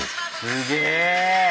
すげえ！